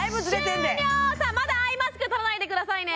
まだアイマスク取らないでくださいね